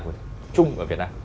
của trung và việt nam